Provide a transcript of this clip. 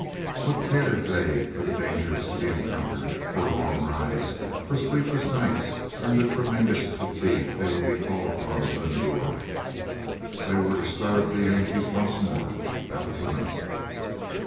What cared they for the dangers to be encountered, for long rides, for sleepless nights, and the tremendous fatigue they would be called upon to endure? They were to stir up the Yankees once more; that was enough.